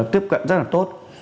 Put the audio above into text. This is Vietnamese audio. tiếp cận rất là tốt